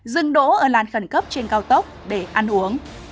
dừng đỗ ở làn khẩn cấp trên cao tốc để ăn uống